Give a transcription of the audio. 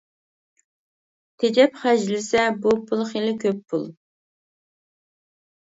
تېجەپ خەجلىسە بۇ پۇل خېلى كۆپ پۇل.